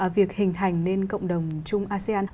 việc hình thành nên cộng đồng chung asean